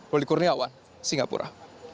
wali kurniawan singapura